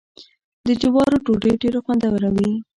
د جوارو ډوډۍ ډیره خوندوره وي.